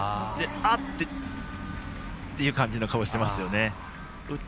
「あ！」っていう感じの顔してますよね。